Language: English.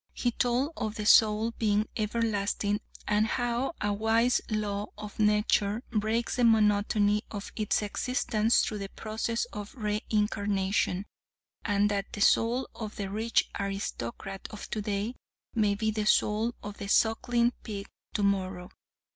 He told of the soul being everlasting, and how a wise law of nature breaks the monotony of its existence through the process of re incarnation, and that the soul of the rich aristocrat of today may be the soul of the suckling pig tomorrow.